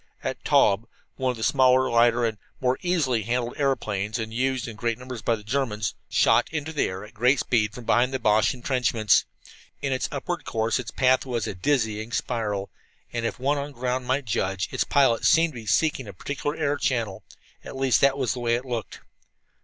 A Taube, one of the smaller, lighter, and more easily handled aeroplanes, and used in great numbers by the Germans, shot into the air at great speed from behind the Boche entrenchments. In its upward course its path was a dizzy spiral, and, if one on the ground might judge, its pilot seemed to be seeking a particular air channel. At least that was the way it looked.